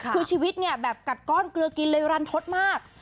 คือชีวิตเนี่ยแบบกัดก้อนเกลือกินเลยรันทดมาก